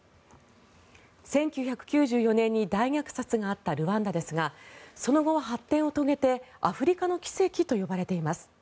１９９４年に大虐殺があったルワンダですがその後、発展を遂げてアフリカの奇跡と呼ばれています。